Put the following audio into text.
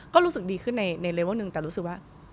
ก็รู้สึกดีขึ้นในเลเวลหนึ่งแต่รู้สึกว่า